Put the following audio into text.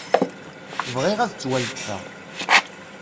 Bɣiɣ ad ttwaletfeɣ.